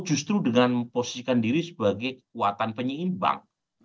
justru dengan memposisikan diri sebagai kekuatan penyeimbang